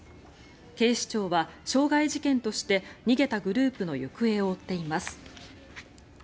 警視庁は傷害事件として逃げたグループの行方を追っています。